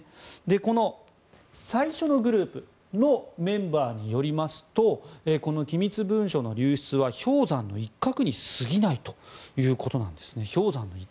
この最初のグループのメンバーによりますとこの機密文書の流出は氷山の一角に過ぎないということなんですね。